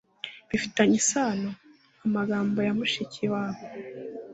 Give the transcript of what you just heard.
Bifitanye isano: Amagambo ya Mushikiwabo